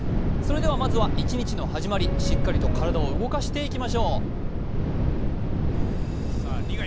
それでは、まずは一日の始まり、しっかりと体を動かしていきましょう。